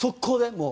もう。